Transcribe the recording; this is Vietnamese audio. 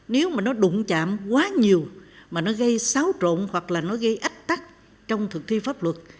nếu mà nó đụng chạm quá nhiều mà nó gây xáo trộn hoặc là nó gây ách tắc trong thực thi pháp luật